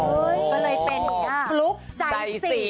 ก็เลยเป็นฟลุ๊กใจสี